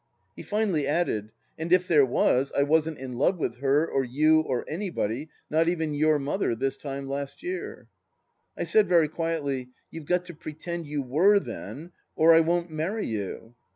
He finally added: "And if there was, I wasn't in love with her, or you, or anybody, not even your mother, this time last year," I said, very quietly :" You have got to pretend you were, then, or I won't marry you."